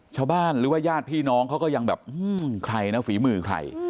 ชาวบ้านหรือว่าญาติพี่น้องเขาก็ยังแบบใครนะฝีมือใคร